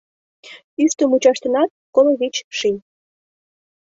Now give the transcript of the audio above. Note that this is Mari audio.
Ӱштӧ мучаштынат коло вич ший.